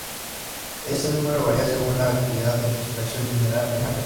Este número varía según la actividad de extracción mineral en la región.